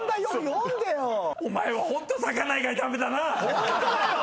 ホントだよ！